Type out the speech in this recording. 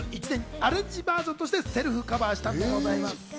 アレンジバージョンとしてセルフカバーしたんでございます。